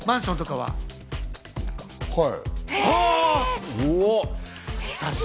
はい。